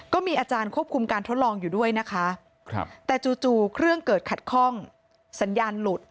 ก็มีอาจารย์ควบคุมการทดลองอยู่ด้วยนะคะแต่จู่เครื่องเกิดขัดข้องสัญญาณหลุด